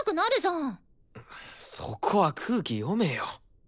そこは空気読めよ。